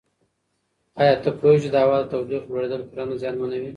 ایا ته پوهېږې چې د هوا د تودوخې لوړېدل کرنه زیانمنوي؟